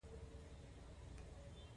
خداې دې نه کړي چې ياران د ده نه هير شي